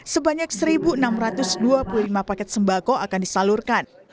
sebanyak satu enam ratus dua puluh lima paket sembako akan disalurkan